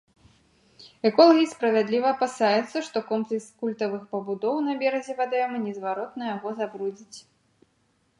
Эколагі справядліва апасаюцца, што комплекс культавых пабудоў на беразе вадаёма незваротна яго забрудзіць.